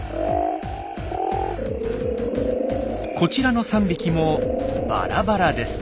こちらの３匹もバラバラです。